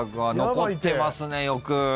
残ってますねよく。